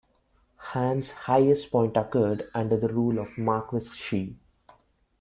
Han's highest point occurred under the rule of Marquess Xi.